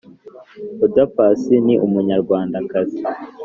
Oda paccy ni umunyarwanda kazi